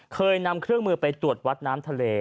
เคยนำเครื่องมือไปตรวจวัดน้ำทะเล